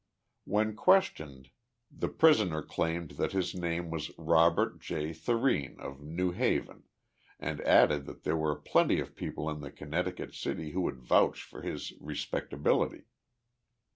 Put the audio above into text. When questioned, the prisoner claimed that his name was Robert J. Thurene of New Haven, and added that there were plenty of people in the Connecticut city who would vouch for his respectability.